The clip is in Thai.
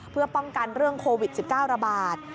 เพื่อป้องกันเรื่องโควิด๑๙ระบาด